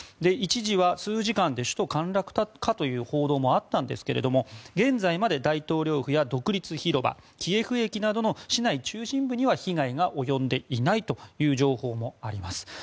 一時は数時間で首都陥落かという報道もあったんですけれども現在まで大統領府や独立広場キエフ駅などの市内中心部には被害が及んでいないという情報もあります。